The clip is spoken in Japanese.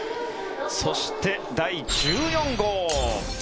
そして、第１４号。